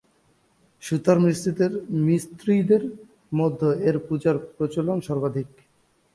সূতার-মিস্ত্রিদের মধ্যে এঁর পূজার প্রচলন সর্বাধিক।